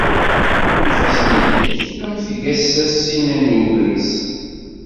Ifassen-nnek am tgasasin n ugris.